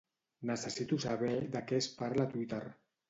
Necessito saber de què es parla a Twitter.